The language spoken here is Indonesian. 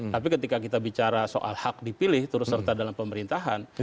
tapi ketika kita bicara soal hak dipilih terus serta dalam pemerintahan